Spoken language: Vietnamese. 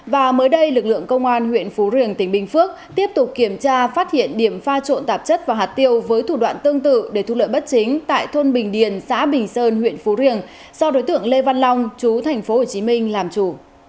và mới đây lực lượng công an huyện phú riềng tỉnh bình phước tiếp tục kiểm tra phát hiện điểm pha trộn tạp chất và hạt tiêu với thủ đoạn tương tự để thu lợi bất chính tại thôn bình điền xã bình sơn huyện phú riềng do đối tượng lê văn long chú tp hcm làm chủ